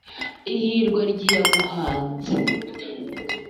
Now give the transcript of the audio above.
ihirwe ry’iyaguhanze